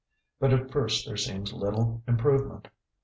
But at first there seems little improvement.